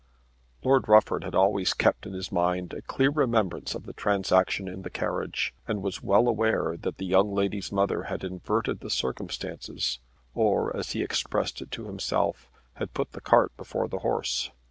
Lord Rufford had always kept in his mind a clear remembrance of the transaction in the carriage, and was well aware that the young lady's mother had inverted the circumstances, or, as he expressed it to himself, had put the cart before the horse.